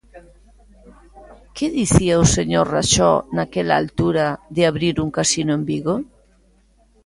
¿Que dicía o señor Raxó, naquela altura, de abrir un casino en Vigo?